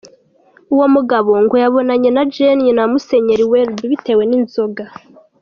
Uwo mugabo ngo yabonanye na Jane nyina wa Musenyeli Welby, bitewe n’inzoga.